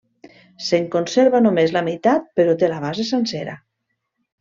Se'n conserva només la meitat però té la base sencera.